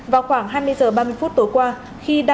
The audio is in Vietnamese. vào khoảng hai mươi giờ ba mươi phút tối qua